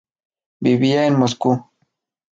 Vivía en Moscú.